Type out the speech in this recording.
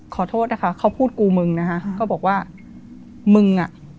ขอโทษนะคะเขาพูดกูมึงนะคะก็บอกว่ามึงอ่ะ